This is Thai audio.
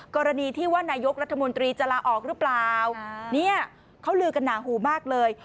กรณีที่ว่านายกรัฐมนตรีจะลาออกหรือเปล่าเนี่ยเขาลือกันหนาหูมากเลย